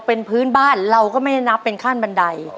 เป็นพื้นบ้านเราก็ไม่ได้นับเป็นขั้นบันได